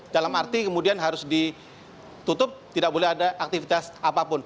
dalam arti kemudian harus ditutup tidak boleh ada aktivitas apapun